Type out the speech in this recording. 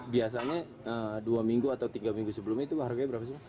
biasanya dua minggu atau tiga minggu sebelumnya itu harganya berapa sih